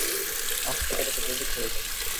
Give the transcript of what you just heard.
আজ কত টাকা প্রফিট হয়েছে?